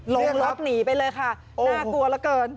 ลงรถหนีไปเลยค่ะน่ากลัวแล้วกัน